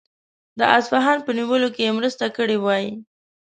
د اصفهان په نیولو کې یې مرسته کړې وای.